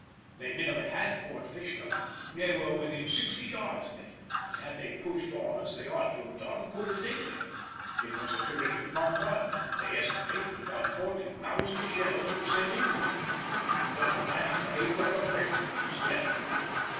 They nearly had Fort Fisher—they were within sixty yards of it—and had they pushed on as they ought to have done could have taken it. It was a terrific bombardment; they estimate that about 40,000 shells were sent into it. Colonel Lamb behaved like a brick—splendidly.